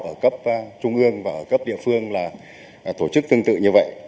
ở cấp trung ương và cấp địa phương là tổ chức tương tự như vậy